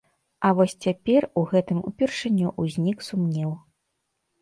А вось цяпер у гэтым упершыню ўзнік сумнеў.